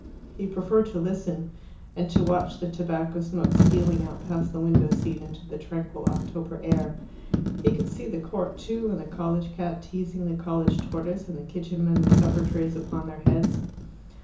He preferred to listen, and to watch the tobacco smoke stealing out past the window seat into the tranquil October air. He could see the court too, and the college cat teasing the college tortoise, and the kitchen men with supper trays upon their heads.